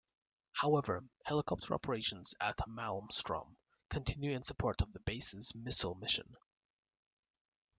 However, helicopter operations at Malmstrom continue in support of the base's missile mission.